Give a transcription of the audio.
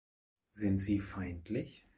Sind sie feindlich?